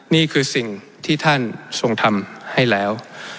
นี่คือสิ่งที่ท่านทรงทำให้แล้ว